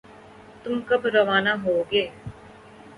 تم کب روانہ ہوگے؟